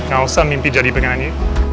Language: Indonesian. gak usah mimpi jadi pengenannya